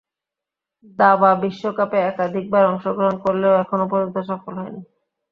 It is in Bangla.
দাবা বিশ্বকাপে একাধিকবার অংশগ্রহণ করলেও এখনো পর্যন্ত সফল হননি।